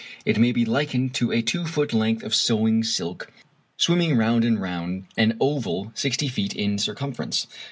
It may be likened to a two foot length of sewing silk swimming round and round an oval sixty feet in circumference.